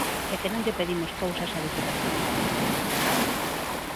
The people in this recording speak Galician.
¡É que non lle pedimos cousas á deputación!